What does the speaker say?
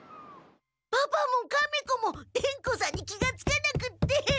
パパもカメ子も伝子さんに気がつかなくって！